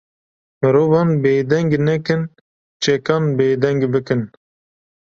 Mirovan bêdeng nekin, çekan bêdeng bikin